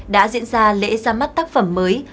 đã diễn ra lễ ra mắt tác phẩm mới